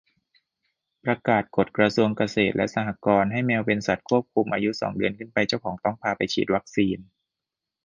ประกาศกฎกระทรวงเกษตรและสหกรณ์ ให้แมวเป็นสัตว์ควบคุม อายุสองเดือนขึ้นไปเจ้าของต้องพาไปฉีดวัคซีน